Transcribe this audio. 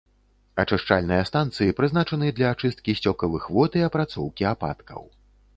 Ачышчальныя станцыі прызначаны для ачысткі сцёкавых вод і апрацоўкі ападкаў.